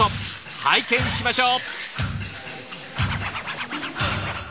拝見しましょう！